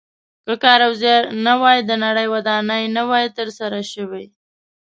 که کار او زیار نه وای د نړۍ ودانۍ نه وه تر سره شوې.